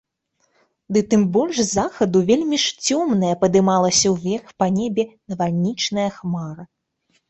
Ды тым больш з захаду вельмі ж цёмная падымалася ўверх па небе навальнічная хмара.